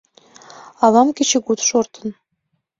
Авам кечыгут шортын.